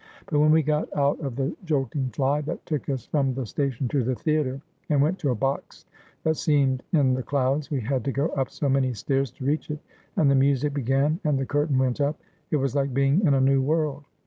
But when we got out of the jolting fly that took us from the station to the theatre, and went to a box that seemed in the clouds, we had to go up so many stairs to reach it, and the music began, and the curtain went up, it was like being in a new world.